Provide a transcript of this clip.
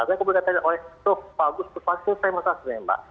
jadi aku boleh katanya oh itu bagus persuasifnya saya masalah sebenarnya mbak